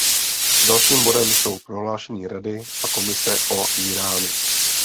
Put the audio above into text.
Dalším bodem jsou prohlášení Rady a Komise o Íránu.